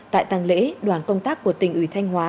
tại tăng lễ đoàn công tác của tỉnh ủy thanh hóa